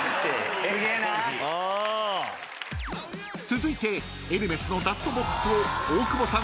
［続いてエルメスのダストボックスを大久保さんは５番］